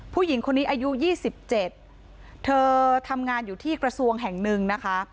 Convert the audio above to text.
ผู้หญิงคนนี้อายุ๒๗เธอทำงานอยู่ที่กระทรวงแห่งหนึ่งนะคะ